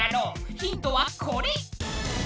ヒントはこれ！